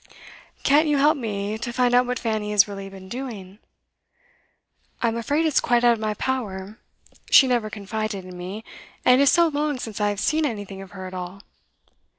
'Can't you help me to find out what Fanny has really been doing?' 'I'm afraid it's quite out of my power. She never confided in me, and it is so long since I have seen anything of her at all.